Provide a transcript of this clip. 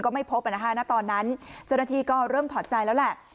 ไม่พบณตอนนั้นเจ้าหน้าที่ก็เริ่มถอดใจแล้วแหละ